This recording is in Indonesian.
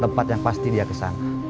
tempat yang pasti dia kesana